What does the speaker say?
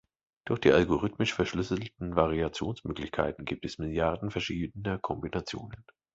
Durch die algorithmisch verschlüsselten Variationsmöglichkeiten gibt es Milliarden verschiedener Kombinationen.